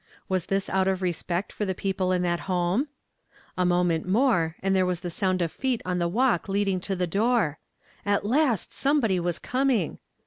Was tliis out of respect for the peoi)le in that home ? A moment more, and there was tlie sound of feet on the walk leading to the door. At last some body was coming